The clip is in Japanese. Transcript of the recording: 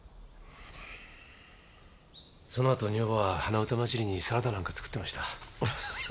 その後女房は鼻歌まじりにサラダなんか作ってました。